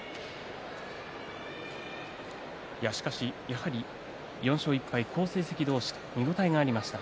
しかしやはり４勝１敗好成績同士、見応えがありました。